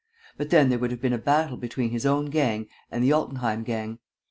But then there would have been a battle between his own gang and the Altenheim gang.